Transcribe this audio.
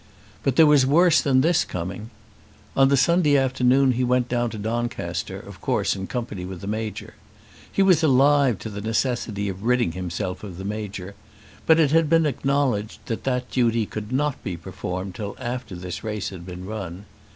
But there was worse than this coming. On the Sunday afternoon he went down to Doncaster, of course in company with the Major. He was alive to the necessity of ridding himself of the Major; but it had been acknowledged that that duty could not be performed till after this race had been run.